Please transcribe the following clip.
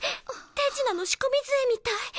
手品の仕込み杖みたい。